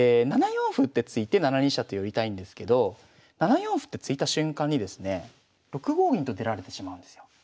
７四歩って突いて７二飛車と寄りたいんですけど７四歩って突いた瞬間にですね６五銀と出られてしまうんですよ。